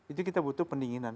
itu kita butuh pendinginan